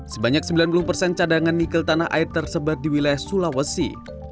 sebanyak sembilan puluh persen cadangan nikel tanah air tersebar di wilayah sulawesi